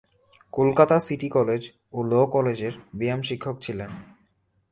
Kolkata city college ও law কলেজের ব্যায়াম-শিক্ষক ছিলেন।